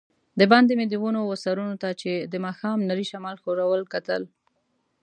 دباندې مې د ونو وه سرونو ته چي د ماښام نري شمال ښورول، کتل.